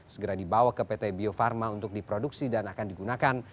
segera dibawa ke pt bio farma untuk diproduksi dan akan digunakan